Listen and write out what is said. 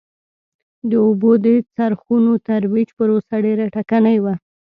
د اوبو د څرخونو ترویج پروسه ډېره ټکنۍ وه.